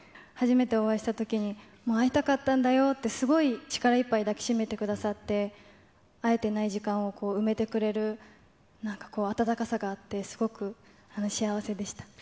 初めてお会いしたときに、もう会いたかったんだよって、すごい力いっぱい抱きしめてくださって、会えてない時間を埋めてくれる、なんかこう、温かさがあって、すごく幸せでした。